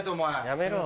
やめろ。